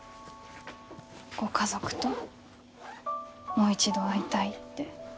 ご家族ともう一度会いたいって。